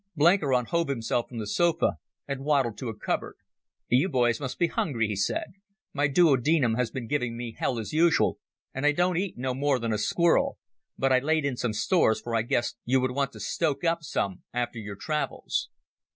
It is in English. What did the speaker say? Blenkiron hove himself from the sofa and waddled to a cupboard. "You boys must be hungry," he said. "My duo denum has been giving me hell as usual, and I don't eat no more than a squirrel. But I laid in some stores, for I guessed you would want to stoke up some after your travels."